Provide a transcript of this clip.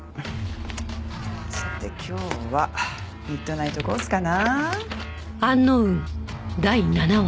さて今日はミッドナイトコースかな。